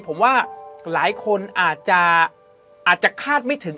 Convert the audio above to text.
ผมว่าหลายคนอาจจะอาจจะคาดไม่ถึง